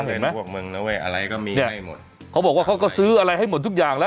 เห็นไหมพวกมึงนะเว้ยอะไรก็มีให้หมดเขาบอกว่าเขาก็ซื้ออะไรให้หมดทุกอย่างแล้ว